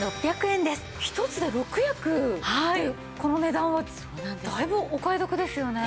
一つで６役でこの値段はだいぶお買い得ですよね。